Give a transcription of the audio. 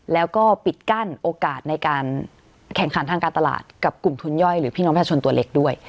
แล้วก็ปิดกั้นโอกาสในการแข่งขันทางการตลาดกับกลุ่มทุนย่อยหรือพี่น้องประชาชนตัวเล็กด้วย